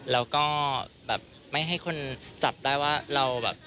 แล้วก็แบบไม่ให้คนจับได้ว่าเราแบบ